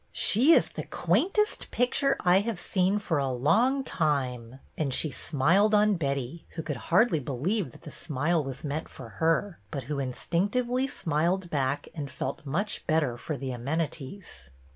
" She is the quaint est picture I have seen for a long time ;" and she smiled on Betty, who could hardly believe that the smile was meant for her, but who instinctively smiled back and felt much better for the amenities.